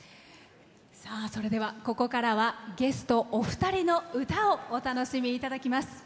それではここからはゲストお二人の歌をお楽しみいただきます。